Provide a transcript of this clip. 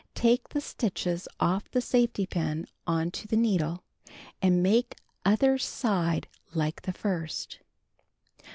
Take the stitches off the safety pin on to the needle; and make other side like the first.